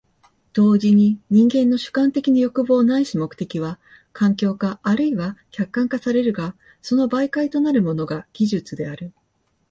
同時に人間の主観的な欲望ないし目的は環境化或いは客観化されるが、その媒介となるものが技術である。